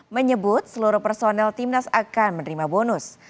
menyebut seluruh personel timnas akan menerima bonus